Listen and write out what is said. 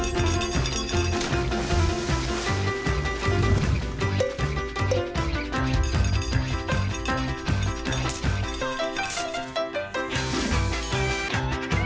สวัสดีค่ะ